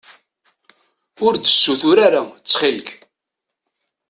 Ur d-ssutur ara, ttxilk.